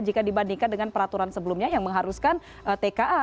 jika dibandingkan dengan peraturan sebelumnya yang mengharuskan tka